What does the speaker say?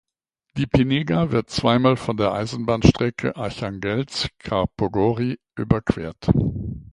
Die Pinega wird zweimal von der Eisenbahnstrecke Archangelsk–Karpogory überquert.